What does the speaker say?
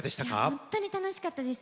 本当に楽しかったです。